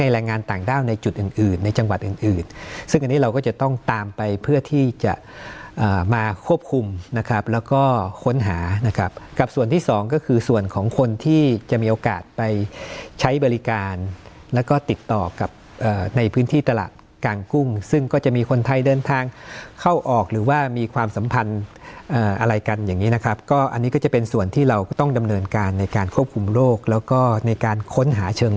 แรงงานต่างด้าวในจุดอื่นอื่นในจังหวัดอื่นอื่นซึ่งอันนี้เราก็จะต้องตามไปเพื่อที่จะมาควบคุมนะครับแล้วก็ค้นหานะครับกับส่วนที่สองก็คือส่วนของคนที่จะมีโอกาสไปใช้บริการแล้วก็ติดต่อกับในพื้นที่ตลาดกลางกุ้งซึ่งก็จะมีคนไทยเดินทางเข้าออกหรือว่ามีความสัมพันธ์อะไรกันอย่างนี้นะครับก็อันนี้ก็จะเป็นส่วนที่เราก็ต้องดำเนินการในการควบคุมโรคแล้วก็ในการค้นหาเชิง